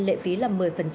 lệ phí là một mươi giá vé